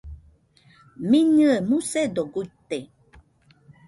Miñɨe musedo guite